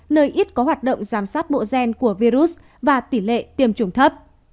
nơi ít có hoạt động giám sát bộ gen của virus và tỷ lệ tiêm chủng thấp